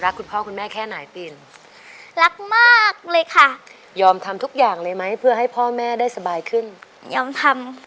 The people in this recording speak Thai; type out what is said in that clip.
คุณพ่อคุณแม่แค่ไหนปีนรักมากเลยค่ะยอมทำทุกอย่างเลยไหมเพื่อให้พ่อแม่ได้สบายขึ้นยอมทำ